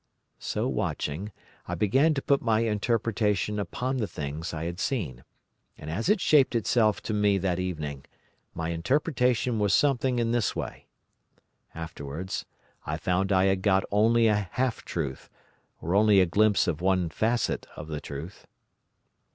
"So watching, I began to put my interpretation upon the things I had seen, and as it shaped itself to me that evening, my interpretation was something in this way. (Afterwards I found I had got only a half truth—or only a glimpse of one facet of the truth.)